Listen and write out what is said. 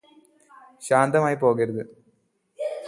ശാന്തമായി പോകരുത്